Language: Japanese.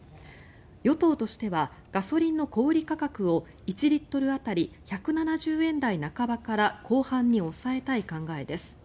与党としてはガソリンの小売価格を１リットル当たり１７０円台半ばから後半に抑えたい考えです。